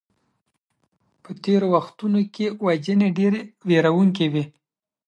په تيرو وختونو کي وژنې ډېرې ويرونکي وې.